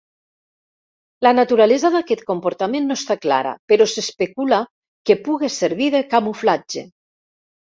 La naturalesa d'aquest comportament no està clara, però s'especula que pugui servir de camuflatge.